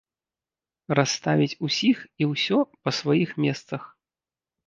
Расставіць усіх і ўсё па сваіх месцах.